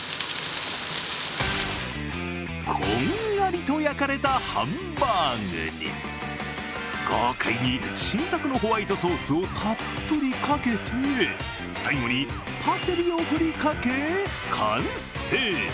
こんがりと焼かれたハンバーグに豪快に新作のホワイトソースをたっぷりかけて最後にパセリをふりかけ完成。